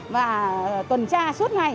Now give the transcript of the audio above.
và tuần tra suốt ngày